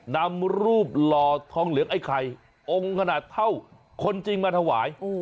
นำรูปหล่อทองเหลืองไอ้ไข่องค์ขนาดเท่าคนจริงมาถวาย